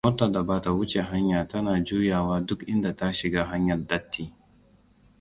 Motar da bata wuce hanya tana juyawa duk inda ta shiga hanyar datti.